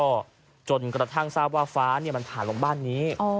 ก็จนกระทั่งทราบว่าฟ้ามันผ่านลงบ้านนี้